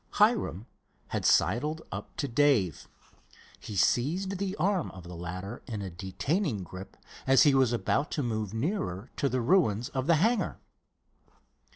Hiram had sidled up to Dave. He seized the arm of the latter in a detaining grip as he was about to move nearer to the ruins of the hangar.